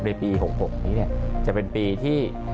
ในปี๖๖นี้จะเป็นปีที่